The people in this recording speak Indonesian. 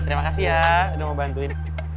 terima kasih ya udah mau bantuin